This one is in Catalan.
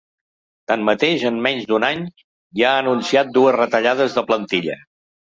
Tanmateix, en menys d’un any ja ha anunciat dues retallades de plantilla.